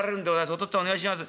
お父っつぁんお願いします。